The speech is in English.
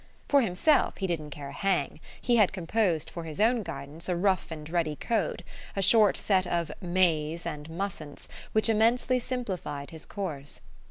For himself, he didn't care a hang: he had composed for his own guidance a rough and ready code, a short set of "mays" and "mustn'ts" which immensely simplified his course.